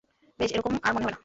বেশ, এরকম আর মনে হবে না!